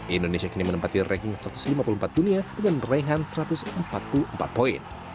indonesia kini menempati ranking satu ratus lima puluh empat dunia dengan raihan satu ratus empat puluh empat poin